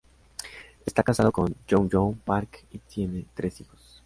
Está casado con Young-Joo Park y tiene tres hijos.